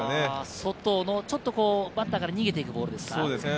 外のバッターから逃げていくボールですか？